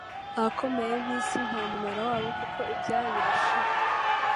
abakomeye bisi ntamumaro wabo kuko ibyabo birashira